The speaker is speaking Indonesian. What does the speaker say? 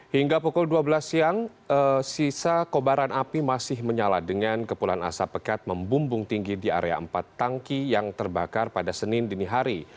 hingga pukul dua belas siang sisa kobaran api masih menyala dengan kepulan asap pekat membumbung tinggi di area empat tangki yang terbakar pada senin dini hari